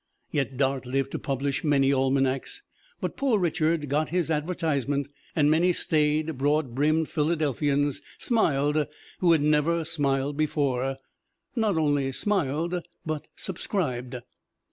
Yet Dart lived to publish many almanacs; but Poor Richard got his advertisement, and many staid, broad brimmed Philadelphians smiled who had never smiled before not only smiled but subscribed.